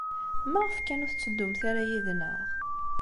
Maɣef kan ur tetteddumt ara yid-neɣ?